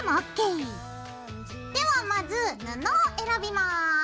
ではまず布を選びます。